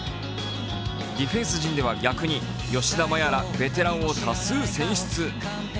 ディフェンス陣では逆に吉田麻也らベテランを多数選出。